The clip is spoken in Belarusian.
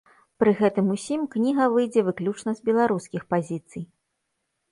Пры гэтым усім кніга выйдзе выключна з беларускіх пазіцый.